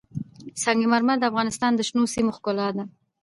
سنگ مرمر د افغانستان د شنو سیمو ښکلا ده.